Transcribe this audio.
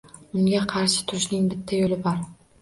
Unga qarshi turishning bitta yoʻli bor